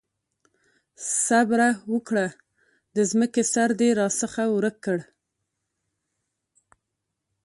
صبره وکړه! د ځمکې سر دې راڅخه ورک کړ.